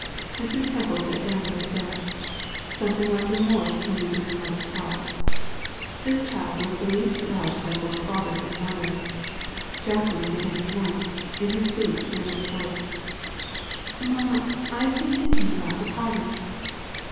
Mrs. Temple sat down by the bed. Something like remorse came into the mother's heart. This child was the least loved by both father and mother. Jacqueline began at once, in her sweet, nervous voice: "Mamma, I have been thinking about the party."